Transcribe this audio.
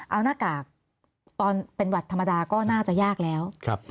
เอาหน้ากากตอนเป็นหวัดธรรมดาก็น่าจะยากแล้ว